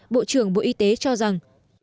bộ trưởng bộ y tế cho rằng